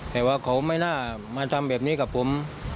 แต่ว่าเขาไม่น่ามาทำแบบนี้กับผม